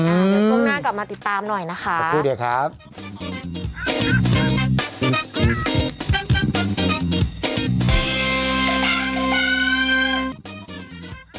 ล่วงหน้ากลับมาติดตามหน่อยนะคะสักครู่เดี๋ยวครับอื้ออื้อ